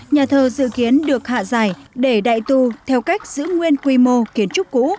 nhà thờ dự kiến được hạ giải để đại tu theo cách giữ nguyên quy mô kiến trúc cũ